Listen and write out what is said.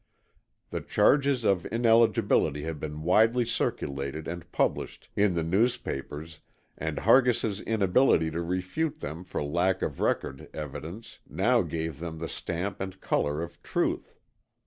The charges of ineligibility had been widely circulated and published in the newspapers and Hargis' inability to refute them for lack of record evidence now gave them the stamp and color of truth.